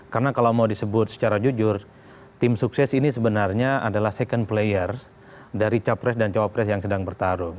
karena kalau mau disebut secara jujur tim sukses ini sebenarnya adalah second player dari capres dan copres yang sedang bertarung